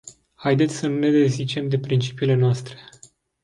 Haideți să nu ne dezicem de principiile noastre.